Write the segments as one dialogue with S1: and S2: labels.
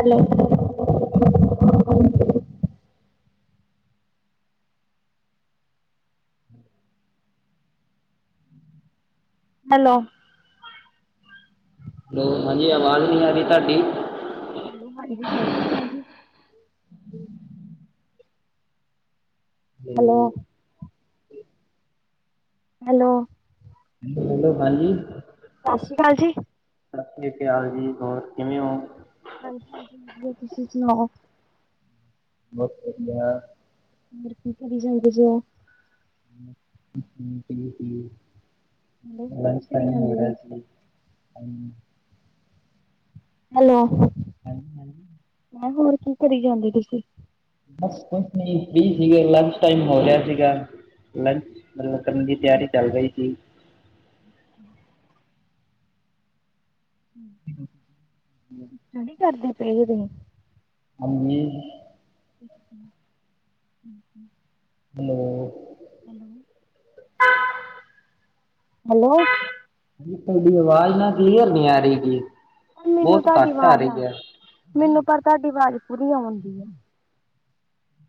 S1: Hello.
S2: ਹ।
S1: Hello.
S2: Hello, ਹਾਂਜੀ ਆਵਾਜ਼ ਨਹੀਂ ਆ ਰਹੀ ਤੁਹਾਡੀ।
S1: ਹੈਲੋ, ਹਾਂਜੀ ਸਤਿ ਸ਼੍ਰੀ ਅਕਾਲ ਜੀ। ਹੈਲੋ। ਹੈਲੋ।
S2: ਹੈਲੋ ਹੈਲੋ ਹਾਂਜੀ।
S1: ਸਤਿ ਸ਼੍ਰੀ ਅਕਾਲ ਜੀ।
S2: ਸਤਿ ਸ਼੍ਰੀ ਅਕਾਲ ਜੀ, ਹੋਰ ਕਿਵੇਂ ਹੋ?
S1: ਹਾਂਜੀ ਹਾਂਜੀ, ਵਧੀਆ ਤੁਸੀਂ ਸੁਣਾਓ?
S2: ਬਹੁਤ ਵਧੀਆ।
S1: ਮਰ ਕੀ ਕਰੀ ਜਾਗ ਜੋ [inaudible]
S2: ਹੈਲੋ -ਹੈਲੋ ਲੰਚ
S1: ਕੀ ਕਰੀ
S2: ਟਾਈਮ
S1: ਜਾਂਦੇ
S2: ਹੋ ਰਿਹਾ
S1: ਜੇ?
S2: ਜੀ।
S1: ਹੈਲੋ।
S2: ਹਾਂਜੀ ਹਾਂਜੀ,
S1: ਮੈਂਮ ਹੋਰ ਕੀ ਕਰੀ ਜਾਂਦੇ ਤੁਸੀਂ।
S2: ਬਸ ਕੁਛ ਨੀ ਫਰੀ ਸੀ ਗੇ ਲੰਚ ਟਾਈਮ ਹੋ ਰਿਹਾ ਸੀ ਗਾ। ਲੰਚ, ਮਤਲਬ ਕਰਨ ਦੀ ਤਿਆਰੀ ਚੱਲ ਰਹੀ ਸੀ।
S1: ਹਮ। ਹੁਣੇ ਨੀ ਕਰਦੇ ਪਏ ਸੀ ਤੁਸੀਂ।
S2: ਹਮੀ।
S1: ਅੱ ਹਮ ਹ।
S2: ਹੈਲੋ।
S1: ਹੈਲੋ।
S2: ਪ।
S1: ਹੈਲੋ।
S2: ਤੁਹਾਡੀ ਆਵਾਜ਼ ਨਾ ਕਲੀਅਰ ਨੀ ਆ ਰਹੀ।
S1: ਮੈਨੂੰ
S2: ਬਹੁਤ
S1: ਤੁਹਾਡੀ
S2: ਘੱਟ ਆ
S1: ਆਵਾਜ਼
S2: ਰਹੀ ਹੈ।
S1: ਮੈਨੂੰ, ਪਰ ਤੁਹਾਡੀ ਆਵਾਜ਼ ਪੂਰੀ ਆਉਂਦੀ ਆ।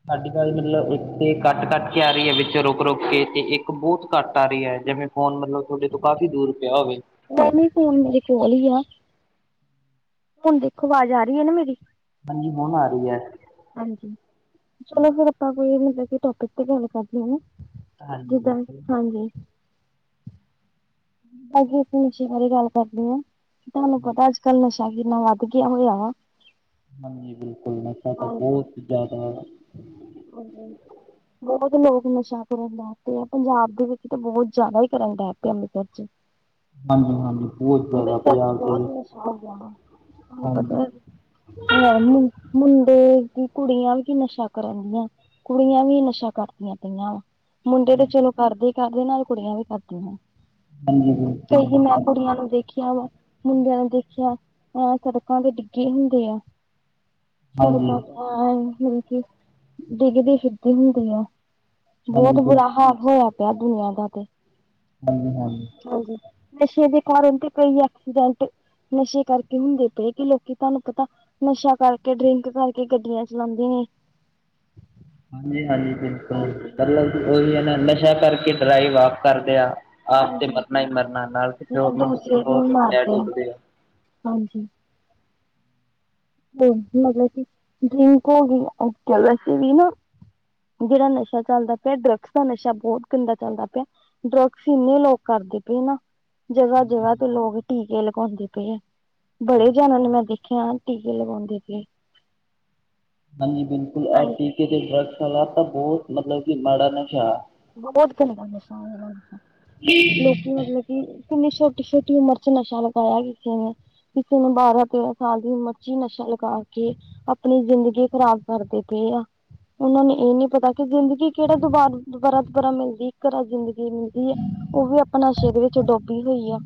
S2: ਤੁਹਾਡੀ ਆਵਾਜ਼ ਨਾਲ ਮਤਲਬ ਇੱਥੇ ਕੱਟ ਕੱਟ ਕੇ ਆ ਰਹੀ ਹੈ ਵਿੱਚ ਰੁਕ ਰੁਕ ਕੇ ਤੇ ਇੱਕ ਬਹੁਤ ਘੱਟ ਆ ਰਹੀ ਹੈ ਜਿਵੇਂ, ਫੋਨ ਮਤਲਬ ਤੁਹਾਡੇ ਤੋਂ ਕਾਫ਼ੀ ਦੂਰ ਪਿਆ ਹੋਵੇ।
S1: ਉਹ ਨਹੀਂ ਫੋਨ ਮੇਰੇ ਕੋਲ ਹੀ ਆ। ਹੁਣ ਦੇਖੋ, ਆਵਾਜ਼ ਆ ਰਹੀ ਹੈ ਨਾ ਮੇਰੀ।
S2: ਹਾਂਜੀ, ਹੁਣ ਆ ਰਹੀ ਹੈ।
S1: ਹਾਂਜੀ, ਚਲੋ ਫਿਰ ਆਪਾਂ ਕੋਈ ਮਤਲਬ ਕਿ ਟੋਪਿਕ ਤੇ ਗੱਲ ਕਰਦੇ ਨਾ।
S2: ਹਾਂਜੀ
S1: ਜਿੱਦਾਂ,
S2: ਬਿਲਕੁਲ
S1: ਹਾਂਜੀ। ਅੱਜ ਨਸ਼ੇ ਬਾਰੇ ਗੱਲ ਕਰਦੀ ਹਾਂ ਤੁਹਾਨੂੰ ਪਤਾ। ਨਸ਼ਾ ਕਿੰਨਾ ਵੱਧ ਗਿਆ ਹੋਇਆ।
S2: ਹਾਂਜੀ, ਬਿਲਕੁਲ ਨਸਾ ਤਾਂ
S1: ਹਾਂਜੀ
S2: ਬਹੁਤ ਜ਼ਿਆਦਾ।
S1: ਹਾਂਜੀ। ਬਹੁਤ ਲੋਕ ਨਸ਼ਾ ਕਰਨ ਲੱਗ ਪਏ ਆ। ਪੰਜਾਬ ਦੇ ਵਿੱਚ ਤਾਂ ਬਹੁਤ ਜ਼ਿਆਦਾ ਹੀ ਕਰਨ ਡੈ ਪਏ ਅੰਮ੍ਰਿਤਸਰ ਚ,
S2: ਹਾਂਜੀ-ਹਾਂਜੀ ਬਹੁਤ
S1: ਮੇਰੇ
S2: ਜ਼ਿਆਦਾ
S1: ਘਰ ਚ
S2: ਪੰਜਾਬ ਦੇ
S1: ਬਹੁਤ
S2: ਵਿੱਚ
S1: ਨਸਾ ਹੋ ਗਿਆ। ਤਹਾਨੂੰ
S2: ਹਾਂਜੀ
S1: ਪਤਾ ਮੁੰਡੇ ਕਿ ਕੁੜੀਆਂ। ਕੀ ਨਸ਼ਾ ਕਰਨ ਦੀਆਂ, ਕੁੜੀਆਂ ਵੀ ਨਸ਼ਾ ਕਰਦੀਆਂ ਪਈਆਂ ਵਾ, ਮੁੰਡੇ ਤੇ ਚਲੋ ਕਰਦੇ ਕਰਦੇ ਨਾਲ ਕੁੜੀਆਂ ਵੀ ਕਰਦੀ ਐ,
S2: ਹਾਂਜੀ
S1: ਤੇ
S2: ਬਿਲਕੁਲ ਹਾਂਜੀ
S1: ਇੰਨਾ ਕੁੜੀਆਂ ਨੂੰ ਦੇਖੀ ਦੇਖੀ, ਆ ਵਾ ਮੁੰਡਿਆਂ ਨੇ ਦੇਖਿਆ, ਅਹ ਸੜਕਾਂ ਤੇ ਡਿੱਗੇ ਹੁੰਦੇ ਆ
S2: ਹਾਂਜੀ
S1: ਸੜਕਾਂ ਤੇ, ਮਤਲਬ ਕੀ ਡਿੱਗਦੀ ਹੁੰਦੀ ਆ ਬਹੁਤ
S2: ਬਿਲ
S1: ਬੁਰਾ ਹਾਲ ਹੋਇਆ ਪਿਆ, ਦੁਨੀਆਂ ਦਾ ਤੇ
S2: ਹਾਂਜੀ ਹਾਂਜੀ
S1: ਹਾਂਜੀ ਨਸ਼ੇ ਦੇ ਕਾਰਨ ਡਿਗ ਪਈ ਐ ਨਸ਼ੇ ਕਰਕੇ ਹੁੰਦੇ ਪਏ ਕਿ ਲੋਕੀ, ਤੁਹਾਨੂੰ ਪਤਾ ਨਸ਼ਾ ਕਰਕੇ, ਡਰਿੰਕ ਕਰਕੇ, ਗੱਡੀਆਂ ਚਲਾਉਂਦੇ ਨੇ
S2: ਹਾਂਜੀ ਹਾਂਜੀ ਬਿਲਕੁਲ
S1: ਹਾਂਜੀ।
S2: ਮਤਲਬ ਉਹੀ ਹੈਨਾ ਨਸ਼ਾ ਕਰਕੇ, ਡਰਾਈਵ ਆਪ ਕਰਦੇ ਆ ਆਪ ਤੇ
S1: ਹਾਂਜੀ
S2: ਮਰਨਾ ਹੀ ਮਰਨਾ, ਨਾਲ ਕਿਸੇ ਹੋਰ ਨੂੰ
S1: ਦੂਸਰੇ ਨੂੰ
S2: ਲੈ
S1: ਮਾਰਦੇ ਆ
S2: ਡੁਬਦੇ ਐ
S1: ਹਾਂਜੀ ਹ ਮਲਸੀ ਡਕ ਹੋਗੀ ਅਜਕੇਲ ਸੀਵ ਨਾ [inaudible] ਜਿਹੜਾ ਨਸ਼ਾ ਚੱਲਦਾ ਪਿਆ, ਡਰੱਗਸ ਦਾ ਨਸ਼ਾ ਬਹੁਤ ਗੰਦਾ ਚੱਲਦਾ ਪਿਆ ਡਰੱਗਸ ਇੰਨੇ ਲੋਕ ਕਰਦੇ ਪਏ ਨਾ ਜਗ੍ਹਾ
S2: ਹਾਂਜੀ,
S1: ਜਗ੍ਹਾ ਤੇ
S2: ਹਾਂਜੀ,
S1: ਲੋਕ ਟੀਕੇ ਲਗਾਉਂਦੇ ਪਏ ਹੈ, ਬੜੇ
S2: ਹਾਂਜੀ।
S1: ਜਣਾ ਨੂੰ ਮੈਂ ਦੇਖਿਆ ਟੀਕੇ ਲਗਾਉਂਦੇ ਪਏ
S2: ਹਾਂਜੀ ਬਿਲਕੁਲ ਆਰ
S1: ਹਾਂਜੀ
S2: ਟੀਕੇ ਦੇ ਡ੍ਰਗ੍ਸ ਵਾਲਾ, ਤਾਂ ਬਹੁਤ ਮਤਲਬ ਕਿ ਮਾੜਾ ਨਸ਼ਾ ਹੈ।
S1: ਬਹੁਤ ਘਣਾ ਨਸ਼ਾ ਔ ਨਾਨੂੰ ਤਾਂ, ਲੋਕੀ ਮਤਲਬ ਕਿ, ਕਿੰਨੀ ਛੋਟੀ ਛੋਟੀ ਉਮਰ ਚ ਨਸ਼ਾ ਲਗਾਇਆ ਕਿਸੇ ਨੇ। ਕਿਸੇ ਨੂੰ ਬਾਰਾਂ ਤੇਰਾਂ ਸਾਲ ਦੀ ਉਮਰ ਚ ਹੀ, ਨਸ਼ਾ ਲਗਾ ਕੇ ਆਪਣੀ ਜ਼ਿੰਦਗੀ ਖ਼ਰਾਬ ਕਰਦੇ ਪਏ ਆ, ਉਹਨਾਂ ਨੂੰ ਇਹ ਨੀ ਪਤਾ, ਕਿ ਜ਼ਿੰਦਗੀ ਕਿਹੜਾ ਦੁਬਾਰਾ ਦੁਬਾਰਾ ਦੁਬਾਰਾ ਮਿਲਦੀ ਇਕ ਵਾਰ ਜ਼ਿੰਦਗੀ ਮਿਲਦੀ ਹੈ, ਉਹ ਵੀ ਆਪਣਾ, ਨਸ਼ੇਰ ਵਿੱਚ ਡੁਬੀ ਹੋਈ ਹੈ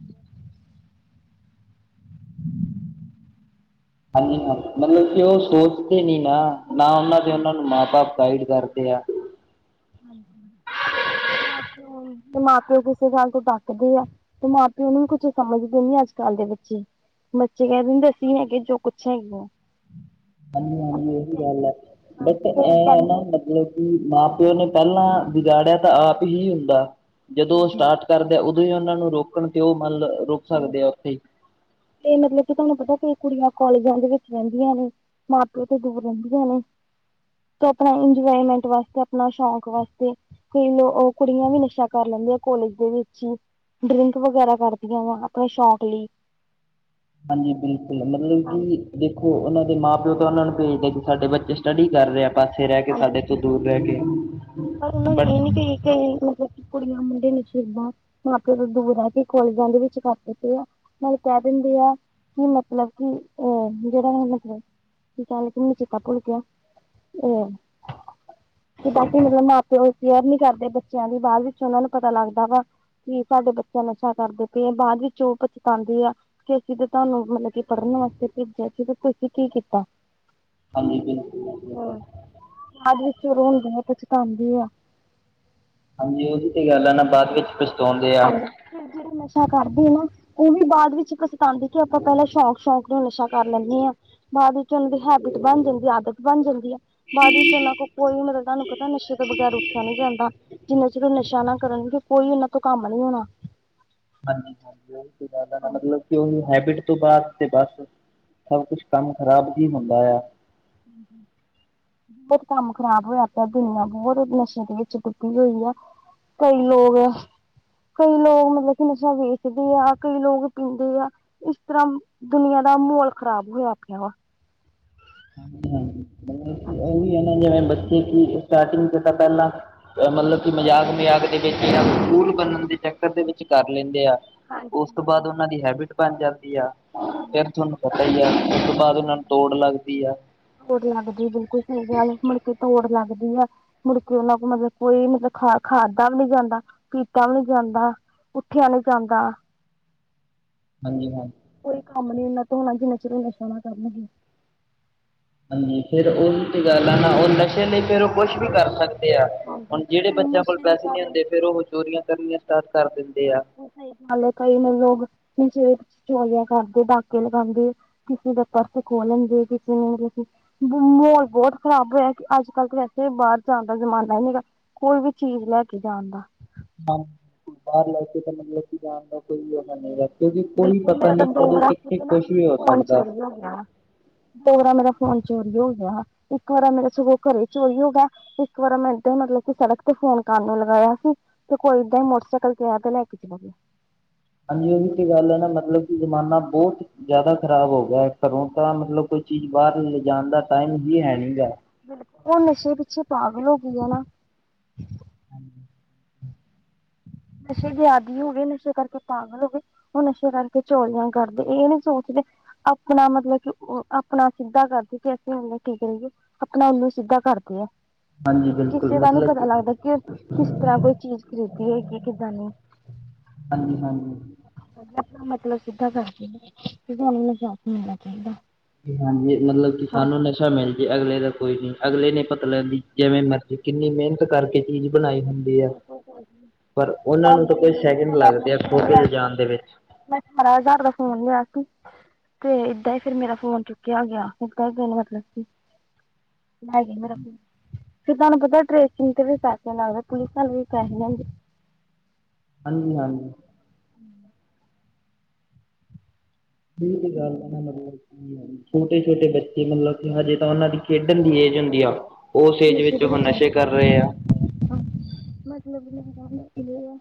S2: ਹਾਂਜੀ ਹਾਂ, ਮਤਲਬ ਕਿ ਉਹ ਸੋਚਦੇ ਨੀ ਨਾ ਨਾ ਉਹਨਾਂ ਦੇ, ਉਹਨਾਂ ਨੂੰ ਮਾਂ ਬਾਪ ਗਾਈਡ ਕਰਦੇ ਆ
S1: ਹਾਂਜੀ ਹਾਂ ਤੇ ਉਹ ਤੇ ਮਾਂ ਪਿਓ ਕਿਸੇ ਗੱਲ ਤੋਂ ਡੱਕਦੇ ਆ, ਤੇ ਮਾਂ ਪਿਓਨ ਨੂੰ ਵੀ ਕੁੱਛ ਸਮਝਦੇ ਨੀ ਅੱਜ ਕੱਲ ਦੇ ਬੱਚੇ ਬੱਚੇ ਕਹਿ ਦੇਂਦੇ, ਅਸੀ ਹੈਗੇ, ਜੋ ਕੁੱਛ ਹੈਗੇ ਆਂ
S2: ਹਾਂਜੀ ਹਾਂਜੀ, ਉਹੀ ਗੱਲ ਹੈ, ਬਟ
S1: ਤੇ
S2: ਇਹ ਨਾ
S1: ਕਹਿੰਦੇ
S2: ਮਤਲਬ ਮਾਂ ਪਿਓ ਨੇ ਪਹਿਲਾਂ ਵਿਗਾੜਿਆ ਤਾਂ ਆਪ ਹੀ ਹੁੰਦਾ, ਜਦੋਂ ਉਹ ਸਟਾਰਟ ਕਰਦਾ, ਉਦੋਂ ਹੀ ਉਹਨਾਂ ਨੂੰ ਰੋਕਣ, ਤੇ ਉਹ ਮਨਲ ਰੋਕ
S1: ਹਾਂਜੀ, ਤੇ ਮਤਲਬ ਕਿ ਤੁਹਾਨੂੰ ਪਤਾ ਕਿ ਕੁੜੀਆਂ ਕਾਲਜਾਂ ਦੇ ਵਿੱਚ ਰਹਿੰਦੀਆਂ ਨੇ ਮਾਂ ਪਿਓ ਤੇ ਦੂਰ ਰਹਿੰਦੀਆਂ ਨੇ। ਤੋਂ ਆਪਣਾ ਇੰਜੋਏਮੈਂਟ ਵਾਸਤੇ, ਆਪਣਾ ਸ਼ੌਕ ਵਾਸਤੇ ਕੋਈ ਲੋ ਕੁੜੀਆਂ ਵੀ ਨਸ਼ਾ ਕਰ ਲੈਂਦੀ ਆ, ਕੋਲੇਜ ਦੇ ਵਿੱਚ ਹੀ, ਡਰਿੰਕ ਵਗੈਰਾ ਕਰ ਆਪਣੇ ਸ਼ੌਕ ਲਈ।
S2: ਹਾਂਜੀ, ਬਿਲਕੁਲ ਮਤਲਬ
S1: ਹਾਂਜੀ
S2: ਕਿ ਉਹਨਾਂ ਦੇ ਮਾਂ ਪਿਓ ਤਾਂ ਉਹਨਾਂ ਨੂੰ ਭੇਜਦਾ, ਕਿ ਸਾਡੇ ਬੱਚੇ ਸਟੱਡੀ ਕਰ ਰਹੇ ਆ, ਪਾਸੇ ਰਹਿ ਕੇ
S1: ਹਾਂਜੀ
S2: ਸਾਡੇ ਤੋਂ ਦੂਰ ਰਹਿ ਕੇ
S1: ਪਰ ਉਹਨਾਂ ਨੂੰ
S2: ਬਟ
S1: ਇਹ ਨੀ, ਕਿ ਕ ਮਤਲਬ ਕਿ ਕੁੜੀਆਂ ਮੁੰਡੇ ਨਸ਼ੇਬਾਂ, ਮਾਂ ਪਿਓ ਤੋਂ ਦੂਰ ਆ ਕੇ ਕਾਲਜਾਂ ਦੇ ਵਿੱਚ ਕਰ ਦਿੱਤੇ ਆ। ਨਾਲ ਕਹਿ ਦਿੰਦੇ ਆ, ਕਿ ਮਤਲਬ ਕਿ ਅਹ ਜਿਹੜਾ ਮਤਲਬ ਕੀ ਕਹਿਣਗੇ ਕਿ ਮੈਂਨੂੰ ਚੇਤਾ ਭੁੱਲ ਗਿਆ, ਇਹ ਕਿਦਾਂ ਮਤਲਬ, ਮਾਂ ਪਿਓ ਕੇਅਰ ਨੀ ਕਰਦੇ ਬੱਚਿਆਂ ਦੀ, ਬਾਅਦ ਵਿੱਚ ਉਹਨਾਂ ਨੂੰ ਪਤਾ ਲੱਗਦਾ ਵਾ। ਕੀ ਸਾਡੇ ਬੱਚੇ ਨਸ਼ਾ ਕਰਦੇ ਪਏ ਐ, ਬਾਅਦ ਵਿੱਚ ਉਹ ਪਛਤਾਉਂਦੇ ਐ। ਕਿ ਅਸੀਂ ਤੇ ਤੁਹਾਨੂੰ ਮਤਲਬ ਕਿ ਪੜ੍ਹਨ ਵਾਸਤੇ ਭੇਜਿਆ ਸੀ, ਤੇ ਤੁਸੀਂ ਕੀ ਕੀਤਾ।
S2: ਹਾਂਜੀ! ਬਿਲਕੁਲ ਬਿਲਕੁਲ।
S1: ਫਿਰ ਰੋਂਦੇ ਐ, ਪਛਤਾਉਂ ਦੇ ਐ।
S2: ਹਾਂਜੀ, ਉਹਦੀ ਤੇ ਗੱਲ ਆ ਨਾ, ਬਾਅਦ ਵਿੱਚ ਪਛਤਾਉਂਦੇ ਆ।
S1: ਹਾਂਜੀ ਫਿਰ ਜਿਹੜਾ ਨਸ਼ਾ ਕਰਦੇ ਨਾ ਉਹ ਵੀ ਬਾਅਦ ਵਿੱਚ ਇੱਕ ਸਤਾਉਂਦੇ, ਕਿ ਆਪਾਂ ਪਹਿਲਾਂ ਸ਼ੌਕ ਸ਼ੌਂਕ ਨੂੰ ਨਸ਼ਾ ਕਰ ਲੈਂਦੇ ਹਾਂ। ਬਾਅਦ ਵਿੱਚ ਉਹਨਾਂ ਦੀ ਹੈਬਿਟ ਬਣ ਜਾਂਦੀ ਆਦਤ ਬਣ ਜਾਂਦੀ ਹੈ। ਬਾਅਦ ਵਿੱਚ ਉਹਨਾਂ ਕੋਲ ਕੋਈ ਮਤਲਬ, ਤੁਹਾਨੂੰ ਪਤਾ ਨਸ਼ੇ ਤੋਂ ਬਗੈਰ ਉੱਠਿਆ ਨੀ ਜਾਂਦਾ। ਜਿੰਨਾ ਚਿਰ ਉਹ ਨਸ਼ਾ ਨਾ ਕਰਨ, ਕੋਈ ਉਹਨਾਂ ਤੋਂ ਕੰਮ ਨੀ ਹੋਣਾ।
S2: ਹਾਂਜੀ ਹਾਂਜੀ। ਉਹ ਜ਼ਿਆਦਾ ਨਾ ਮਤਲਬ ਕਿ ਉਹੀ ਹੈਬਿਟ ਉਸ ਤੋਂ ਬਾਅਦ ਤੇ ਬਸ ਸਭ ਕੁਛ ਕੰਮ ਖ਼ਰਾਬ ਹੀ ਹੁੰਦਾ ਆ।
S1: ਹਮ ਹਮ ਬਹੁਤ ਕੰਮ ਖ਼ਰਾਬ ਹੋਇਆ ਪਿਆ। ਦੁਨੀਆਂ ਬਹੁਤ ਨਸ਼ੇ ਦੇ ਵਿੱਚ ਕੁੱਟੀ ਹੋਈ ਆ। ਕਈ ਲੋਕ ਕਈ ਲੋਕ ਮਤਲਬ ਕਿ ਨਸ਼ਾ ਵੇਚਦੇ ਆ ਕਈ ਲੋਕ ਪੀਂਦੇ ਆ। ਇਸ ਤਰ੍ਹਾਂ ਦੁਨੀਆਂ ਦਾ ਮਾਹੌਲ ਖ਼ਰਾਬ ਹੋਇਆ ਪਿਆ ਵਾ
S2: ਹਾਂਜੀ ਹਾਂ
S1: ਹਾਂਜੀ
S2: ਉਹਹੀ ਹੈ ਨਾ ਜੇ ਮੈਂ ਬੱਚੇ ਕੀ ਸਟਾਰਟਿੰਗ ਚ ਤਾਂ ਪਹਿਲਾਂ ਮਤਲਬ ਕਿ ਮਜ਼ਾਕ ਮਜ਼ਾਕ ਦੇ ਵਿੱਚ ਸਕੂਲ ਬਣਨ ਦੇ ਚੱਕਰ ਦੇ ਵਿੱਚ ਕਰ ਲੈਂਦੇ ਆ।
S1: ਹਾਂਜੀ
S2: ਉਸ ਤੋਂ
S1: ਬਿਲਕੁਲ
S2: ਬਾਅਦ ਉਹਨਾਂ ਦੀ ਹੈਬਿਟ ਬਣ ਜਾਂਦੀ ਆ,
S1: ਹਾਂਜੀ।
S2: ਫਿਰ ਤੁਹਾਨੂੰ ਪਤਾ ਹੀ ਆ ਬਾਅਦ ਉਹਨਾਂ ਨੂੰ ਤੋੜ ਲੱਗਦੀ ਆ।
S1: ਤੋੜ ਲੱਗਦੀ, ਬਿਲਕੁਲ ਸਹੀ ਮੁੜਕੇ ਤੋੜ ਲੱਗਦੀ ਆ। ਮੁੜਕੇ ਉਹਨਾ ਕੋਲ ਮਤਲਬ ਕੋਈ ਮਤਲਬ ਖਾ ਖਾਦਾ ਵੀ ਨਹੀਂ ਜਾਂਦਾ ਪੀਤਾ ਵੀ ਨਹੀਂ ਜਾਂਦਾ ਉੱਠਿਆ ਨਹੀਂ ਜਾਂਦਾ।
S2: ਹਾਂਜੀ ਹਾਂ
S1: ਕੋਈ ਕੰਮ ਨੀ ਉਹਨਾਂ ਤੋਂ ਹੋਣਾ ਜਿੰਨਾ ਚਿਰ ਨਸ਼ਾਣਾ ਕਰਨਗੇ।
S2: ਨਹੀਂ ਫੇਿਰ ਉਹੀ ਤੇ ਗੱਲ ਆ ਨਾ ਉਹ ਨਸ਼ੇ ਲਈ ਫੇਰ ਉਹ ਕੁੱਛ ਵੀ ਕਰ ਸਕਦੇ।
S1: ਹਾਂਜੀ
S2: ਹੁਣ, ਜਿਹੜੇ ਬੱਚਿਆਂ ਕੋਲ
S1: ਨਸ਼ੇ ਦੇ
S2: ਪੈਸੇ ਨਹੀਂ
S1: ਕਾਰਨ
S2: ਹੁੰਦੇ, ਫੇਰ ਉਹ ਚੋਰੀਆਂ ਕਰਨੀਆਂ ਸਟਾਰਟ ਕਰ ਦਿੰਦੇ ਆ।
S1: ਕਈ ਕਈ ਮਤ ਲੋਕ ਨਚੇੋਲੀਆਂ ਕਰਦੇ ਡਕੇ ਲਗਾਉਂਦੇ। ਕਿਸੇ ਦਾ ਪਰਸ ਖੋਲਣਗੇੇ ਕਿਸੇ ਨੂੰ ਮਤਲਬ ਮਾਹੌਲ ਬਹੁਤ ਖ਼ਰਾਬ ਹੋਇਆ, ਕਿ ਅੱਜ ਕੱਲ੍ਹ ਤਾਂ ਵੈਸੇ ਬਾਹਰ ਜਾਣ ਦਾ ਜ਼ਮਾਨਾ ਹੀ ਨਹੀਂ ਹੈਗਾ। ਕੋਈ ਵੀ ਚੀਜ਼ ਲੈ ਕੇ ਜਾਣ ਦਾ
S2: ਬਾਹਰ ਲੈ ਕੇ ਤਾਂ ਮਤਲਬ ਕਿ ਜਾਣ ਦਾ ਕੋਈ ਯੋਗਾ ਨਹੀਂ ਰ ਕਿਉਂਕਿ ਕੋਈ
S1: ਬਿਲਕੁਲ
S2: ਪਤਾ
S1: ਮੇਰਾ
S2: ਨੀ ਜਦੋਂ ਕਿੱਥੇ ਖੁਸ਼ ਵੀ ਹੋ ਸਕਦਾ।
S1: ਹ ਦੋ ਵਾਰਰਾ ਮੇਰਾ ਫੋਨ ਚੋਰੀ ਹੋ ਗਿਆ। ਇੱਕ ਵਾਰ ਮੇਰਾ ਸਗੋਂ ਘਰੇ ਚੋਰੀ ਹੋ ਗਿਆ। ਇੱਕ ਵਾਰ ਮਿੰਟ ਮਤਲਬ ਕਿ ਸੜਕ ਤੇ ਫੋਨ ਕਰਨ ਨੂੰ ਲਗਾਇਆ ਸੀ ਤੇ ਕੋਈ ਏਦਾਂ ਹੀ ਮੋਟਰਸਾਈਕਲ ਕੇ ਆ ਤੇ ਲੈ ਕੇ ਚਲਾਗੇ।
S2: ਹਾਂਜੀ। ਉਹੀ ਤੇ ਗੱਲ ਹੈ ਨਾ ਮਤਲਬ ਕਿ ਜ਼ਮਾਨਾ ਬਹੁਤ ਜ਼ਿਆਦਾ ਖ਼ਰਾਬ ਹੋ ਗਿਆ ਘਰੋਂ ਤਾਂ ਮਤਲਬ ਕੋਈ ਚੀਜ਼ ਬਾਹਰ ਲਿਜਣ ਦਾ ਟਾਈਮ ਹੀ ਹੈ ਨੀ ਗਾ।
S1: ਬਿਲਕੁਲ ਉਹ ਨਸ਼ੇ ਪਿੱਛੇ ਪਾਗਲ ਹੋ ਗਈ ਹੈ ਨਾ।
S2: ਹਾਂਜੀ
S1: ਨਸ਼ੇ ਦੇ ਆਦਿ ਹੋ ਗ ਨਸ਼ੇ ਕਰਕੇ ਪਾਾਂਗਲ ਹੋ ਗ। ਉਹ ਨਸ਼ੇ ਰ ਕੇ ਚੋਲੀਆਂ ਕਰਦੇ ਇਹ ਨਹੀਂ ਸੋਚਦੇ। ਆਪਣਾ ਮਤਲਬ ਕਿ ਆਪਣਾ ਸਿੱਧਾ ਕਰਦੇ ਕਿ ਅਸੀਂ ਹੇ ਠੀਕ ਰਹੀਏ। ਆਪਣਾ ਉਹਨੂੰ ਸਿੱਧਾ ਕਰਦੇ ਆ।
S2: ਹਾਂਜੀ ਬਿਲਕੁਲ
S1: ਕਿਸੇ ਦਾਾ ਨੀ
S2: ਮਤਲਬ
S1: ਪਤਾ ਲੱਗਦਾ ਕਿ ਕਿਸ ਤਰ੍ਹਾਂ ਕੋਈ ਚੀਜ਼ ਖਰੀਦ ਹੈਗੀ ਕਿਦਾਂ ਨ
S2: ਹਾਂਜੀ ਹਾਂਜੀ
S1: ਮਤਲਬ ਸਿੱਧਾ ਕਰਕੇ ਕਿਣ ਨੂੰ ਸਾਥ ਮਿਲਣਾ ਚਾਹੀਦਾ।
S2: ਹਾਂਜੀ ਮਤਲਬ ਕਿ ਸਾਨੂੰ ਨਸ਼ਾ ਮਿਲ ਜਏ ਅਗਲੇ ਦਾ ਕੋਈ ਨੀ ਅਗਲੇ ਨੇ ਪਤਾ ਲੈਂਦੀ ਜਿਵੇਂ ਮ ਤੇ ਕਿੰਨੀ ਮਿਹਨਤ ਕਰਕੇ ਚੀਜ਼ ਬਣਾਈ ਹੁੰਦੀ। ਪਰ ਉਹਨਾਂ
S1: ਮੈਂ
S2: ਨੂੰ ਤਾਂ
S1: ਬੜੀ
S2: ਕੁਝ
S1: ਮਿਹਨਤ
S2: ਸੈਕਿੰਡ
S1: ਨਾਲ ਮੈਂ ਆਪਣਾ
S2: ਲੱਗਦੇ ਆ ਖੋ
S1: ਫੋਨ
S2: ਕੇ
S1: ਲਿਆ ਸੀ
S2: ਲਿਜਾਣ ਦੇ ਵਿੱਚ
S1: ਮੈਂ ਅਠਾਰਾਂ ਹਜ਼ਾਰ ਦਾ ਫੋਨ ਲਿਆ ਸੀ। ਤੇ ਏਦਾਂ ਹੀ ਫੇਿਰ ਮੇਰਾ ਫੋਨ ਚੁੱਕਿਆ ਗਿਆ ਇੱਦਾਂ ਹੀ ਦਿਨ ਮਤਲਬ ਸੀ। ਲੈ ਗ ਮੇਰਾ ਫਰ ਤੁਹਾਨੂੰ ਪਤਾ ਟਰੇਸਿੰਗ ਤੇ ਵੀ ਪੈਸੇ ਲੱਗਦੇ ਪੁਲਿਸ ਨਾਲ ਵੀ ਪੈਸੇ ਹੁੰਦੇ।
S2: ਹਾਂਜੀ ਹਾਂਜੀ।
S1: ਹਮ
S2: ਗੱਲ ਹੈ ਨਾ ਮਤਲਬ ਛੋਟੇ ਛੋਟੇ ਬੱਚੇ ਮਤਲਬ ਹਜੇ ਤਾਂ ਉਹਨਾਂ ਦੀ ਖੇਡਣ ਦੀ ਏਜ ਹੁੰਦੀ ਆ ਉਸ ਏਜ ਵਿੱਚ
S1: ਦੇ
S2: ਉਹ ਨਸ਼ੇ
S1: ਲੱਗੇ
S2: ਕਰ ਰਹੇ ਆ।
S1: ਹੋਏ ਮਤਲਬ ਨ ਕਿ ਆ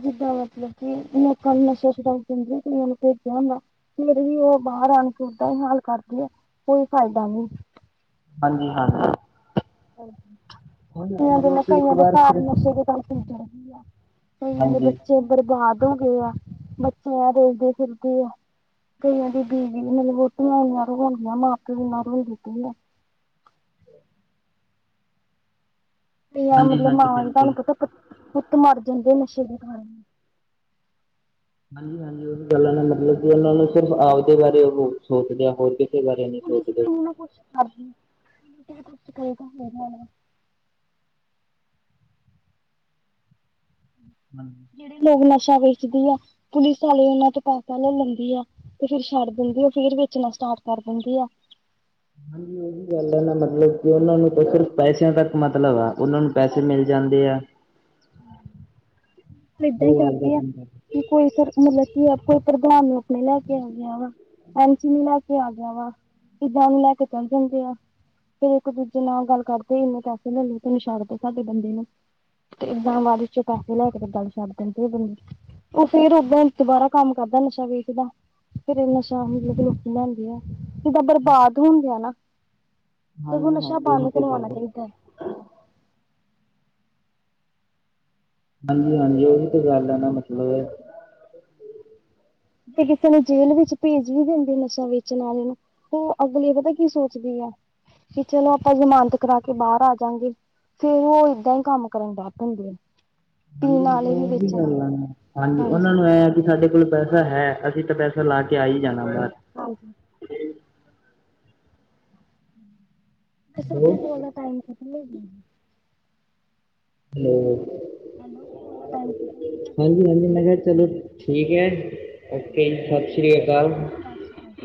S1: ਜਿੱਦਾਂ ਮਤਲਬ ਕਿ ਲੋਕਾਂ ਨੂੰ ਨਸ਼ਾ ਸੁਡਾ ਕਹਿੰਦੀ ਤੇ ਮਨ ਨੂੰ ਫੇਿਆਦਾ ਫੇਿਰ ਹੀ ਉਹ ਬਾਹਰ ਅਣਪਟਦਾ ਹੀ ਹਾਲ ਕਰਦੀ ਹੈ ਕੋਈ ਫਾਇਦਾ ਨੀ
S2: ਹਾਂਜੀ ਹਾਂ
S1: ਕਈਆਂ ਦੇ ਮੈਂ
S2: ਇੱਕ
S1: ਕਈਆਂ ਦੇ
S2: ਵਾਰ
S1: ਘਰ
S2: ਫਿਰ
S1: ਨਸ਼ੇ ਦੇ ਤਨ ਪੀਜਣ ਆ ਕ ਕਦੇ
S2: ਹਾਂਜੀ
S1: ਬੱਚੇ ਬਰਬਾਦ ਹੋ ਗਏ ਆ ਬੱਚੇ ਆ ਰੋਲਦੇ ਫਿਰਦੇ ਆ। ਕਈਆਂ ਦੀ ਦੀਵੀ ਮਤਲਬ ਵਹੁਤੀੀਆਂ ਆਂ ਰਵਾਉਂਦੀਆਂ ਮਾਂ ਪਿਵ ਨਾਲ ਰੋਂਉਦੀ ਕਈ ਹੈ
S2: ਹਾਂਜੀ
S1: ਮਤਲਬ
S2: ਹਾਂਜੀ
S1: ਮਾਵਾਂ ਨੇ ਤੁਹਾਨੂੰ
S2: ਬਿਲਕੁਲ
S1: ਪਤਾ ਪੁੱ ਪੁੱਤ ਮਰ ਜਾਂਦੇ ਆ ਨਸ਼ੇ ਦੇ ਕਾਰਨ।
S2: ਹਾਂਜੀ ਹਾਂਜੀ ਉਹ ਵੀ ਗੱਲਾਂ ਨੇ ਮਤਲਬ ਕਿ ਉਹਨਾਂ ਨੂੰ ਸਿਰਫ ਆਪਦੇ ਬਾਰੇ ਉਹ ਸੋਚਦੇ ਆ ਹੋ। ਬਾਰੇ ਸੋ
S1: ਹਾਂਜੀ ਕੁਛ [inaudible] [unintelligible]
S2: ਹਮ।
S1: ਜਿਹੜੇ ਲੋਕ ਨਸ਼ਾ ਵੇਚਦੀ ਆ ਪੁਲਿਸ ਵਾਲੇ ਉਹਨਾਂ ਤੋਂ ਪੈਸਾ ਲੈ ਲੈਂਦੀ ਆ। ਤੇ ਫੇਰ ਛੱਡ ਦਿੰਦੀ ਆ ਫ਼ੇਰ ਵੇਚਣਾ ਸਟਾਰਟ ਕਰ ਦਿੰਦੀ ਆ।
S2: ਹਾਂਜੀ ਉਹੀ ਗੱਲ ਐ ਨਾ ਮਤਲਬ ਕਿ ਉਹਨਾਂ ਨੂੰ ਤਾਂ ਸਿਰਫ ਪੈਸਿਆਂ ਤੱਕ ਮਤਲਬ ਆ। ਉਹਨਾਂ ਨੂੰ ਪੈਸੇ ਮਿਲ ਜਾਂਦੇ ਆ।
S1: ਹਮ। ਫ਼ਿਰ ਏਦਾਂ ਹੀ
S2: ਉਹ ਆਪਦਾ
S1: ਕਰਦੇ ਆ
S2: ਕੰਮ ਕਰ
S1: ਕਿ ਕੋਈ ਮਤਲਬ ਕੀ ਕੋਈ ਪ੍ਰਧਾਨ ਨੂੰ ਆਪਣੇ ਲੈ ਕੇ ਆਉਂਦੇ ਵਾ। ਐਸੀ ਨ ਲੈ ਕੇ ਆ ਗਿਆ ਵਾ ਕਿੱਦਾਂ ਨੂੰ ਲੈ ਕੇ ਚੱਲ ਜਾਂਦੇ ਆ। ਫੇਿਰ ਇੱਕ ਦੂਜੇ ਨਾਲ ਗੱਲ ਕਰਦੇ ਇੰਨੇ ਪੈਸੇ ਲੈ ਲਏ ਤੇ ਨਛਾੜ ਦਿ ਸਾਡੇ ਬੰਦੇ ਨੂੰ ਤੇ ਇੱਦਾਂ ਬਾਅਦ ਚੋਂ ਪੈਸੇ ਲੈ ਕੇ ਤੇ ਗੱਲ ਛਡ ਦਿੰਦੇ ਬੰਦੇ ਉਹ ਫੇਰ ਉਓਦਾਂ ਦੁਬਾਰਾ। ਕੰਮ ਕਰਦਾ ਨਸ਼ਾ ਵੇਚਦਾ ਫੇਿਰ ਨਸ਼ਾ ਮਤਲਬ ਰੋਕ ਲਿਆਂਦੀ ਆ ਜਿੱਦਾਂ ਬਰਬਾਦ ਹੋਣ ਗਿਆ ਨਾ ਤੇ ਉਹ
S2: ਹਾਂਜੀ
S1: ਨਸ਼ਾ
S2: ਹਾਂਜੀ ਉਹੀ
S1: ਬਦ
S2: ਤੇ ਗੱਲ
S1: ਕਰਵਾਉਣਾ
S2: ਹੈ।
S1: ਚਾਹੀਦਾ।
S2: ਹਾਂਜੀ ਹਾਂਜੀ ਉਹ ਵੀ ਤੇ ਗੱਲ ਹੈ ਨਾ ਮਤਲਬ ਹੈ।
S1: ਤੇ ਕਿਸੇ ਨੇ ਜੇਲ੍ਹ ਵਿੱਚ ਭੇਜ ਵੀ ਦਿੰਦੇ ਨਸ਼ਾ ਵੇਚਣ ਵਾਲੇ ਨੂੰ ਉਹ ਅਗਲੀ ਪਤਾ ਕੀ ਸੋਚਦੀ ਆ ਵੀ ਚਲੋ ਆਪਾਂ ਜ਼ਮਾਨਤ ਕਰਾ ਕੇ ਬਾਹਰ ਆ ਜਾਂਗੇ। ਫੇਰ ਉਹ ਏਦਾਂ ਹੀ ਕੰਮ ਕਰਨ ਡ ਦਿੰਦੇ
S2: ਹਾਂਜੀ ਮਤਲਬ ਉਹੀ ਗੱਲ ਆ ਮ ਹਾਂਜੀ ਉਹਨਾਂ ਨੂੰ ਐ ਵੀ ਸਾਡੇ ਕੋਲ ਪੈਸਾ ਹੈ ਅਸੀਂ ਤਾਂ ਪੈਸਾ ਲਾ ਕੇ ਆਈ ਜਾਣਾ ਬਾਹਰ।
S1: ਹਾਂਜੀ ਬਸ
S2: ਹੈਲੋ
S1: ਆਪਣੇ ਕੋਲ ਦਾ ਟਾਈਮ ਖਤ
S2: ਨੌ ਹਾਂਜੀ ਮੈਂ ਕਿਹਾ ਚਲੋ
S1: ਲੋ
S2: ਠੀਕ ਐ ਜੀ। ਓਕੇੇ ਜ ਸਤਿ ਸ਼੍ਰੀ ਅਕਾਲ।
S1: ਸਤਿ ਸ਼੍ਰੀ ਅਕਾਲ।